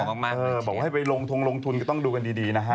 บอกว่าให้ไปลงทงลงทุนก็ต้องดูกันดีนะฮะ